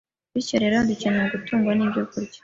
bityo rero dukeneye gutungwa n’ibyokurya